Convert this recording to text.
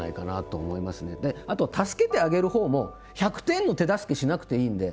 あと助けてあげる方も１００点の手助けしなくていいんで。